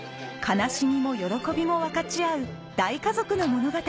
悲しみも喜びも分かち合う大家族の物語